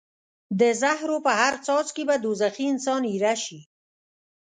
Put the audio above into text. د زهرو په هر څاڅکي به دوزخي انسان ایره شي.